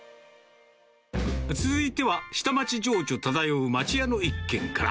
続いては下町情緒漂う町屋の一軒から。